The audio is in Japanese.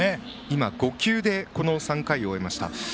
今、５球で３回を終えました。